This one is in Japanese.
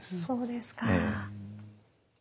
そうですか。